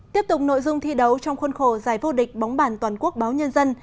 tiếp tục nội dung thi đấu trong khuôn khổ giải vô địch bóng bàn toàn quốc báo nhân dân